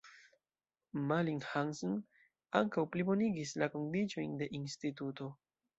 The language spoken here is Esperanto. Malling-Hansen ankaŭ plibonigis la kondiĉojn de Instituto.